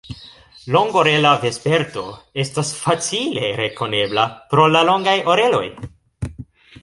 Longorela Vesperto estas facile rekonebla pro la longaj oreloj.